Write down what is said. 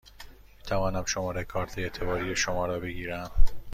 می توانم شماره کارت اعتباری شما را بگیرم؟